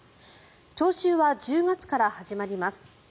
徴収は１０月から始まります。